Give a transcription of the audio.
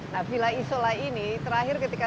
nah villa isola ini terakhir ketika